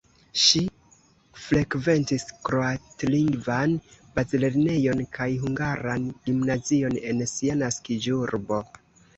Ŝi frekventis kroatlingvan bazlernejon kaj hungaran gimnazion en sia naskiĝurbo.